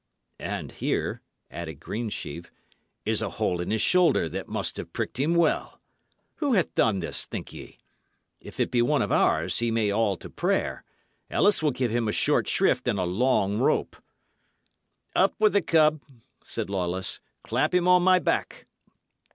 "And here," added Greensheve, "is a hole in his shoulder that must have pricked him well. Who hath done this, think ye? If it be one of ours, he may all to prayer; Ellis will give him a short shrift and a long rope." "Up with the cub," said Lawless. "Clap him on my back."